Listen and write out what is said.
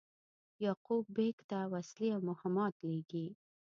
یعقوب بېګ ته وسلې او مهمات لېږي.